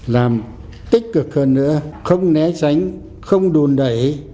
làm tích cực hơn nữa không né tránh không đùn đẩy